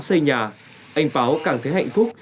xây nhà anh báo càng thấy hạnh phúc